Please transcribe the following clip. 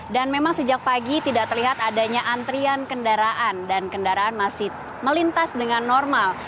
dan memang sejak pagi tidak terlihat adanya antrian kendaraan dan kendaraan masih melintas dengan normal